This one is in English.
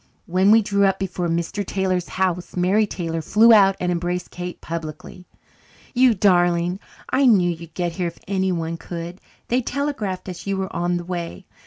When we drew up before Mr. Taylor's house Mary Taylor flew out and embraced Kate publicly. "You darling! I knew you'd get here if anyone could. They telegraphed us you were on the way.